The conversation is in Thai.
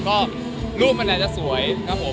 ก็รูปมันอาจจะสวยครับผม